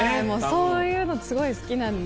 そういうのすごい好きなんで。